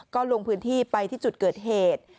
ก็ลงพื้นที่ไปที่จุดเกิดเหตุ